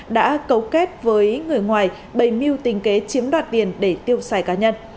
đã cấu kết với người ngoài bày miêu tình kế chiếm đoạt tiền để tiêu xài cá nhân